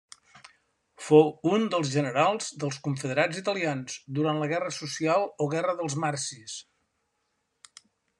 Fou un dels generals dels confederats italians durant la guerra social o guerra dels marsis.